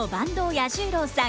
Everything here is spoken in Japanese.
彌十郎さん